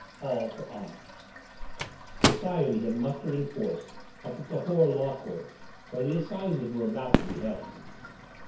IX. ALL FOR HONOUR Society had mustered in force at the Cahors Law Courts, where the Assizes were about to be held.